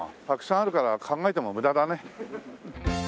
たくさんあるから考えても無駄だね。